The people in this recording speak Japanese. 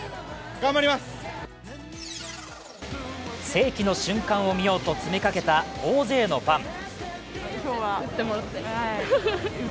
世紀の瞬間を見ようと詰めかけた大勢のファン。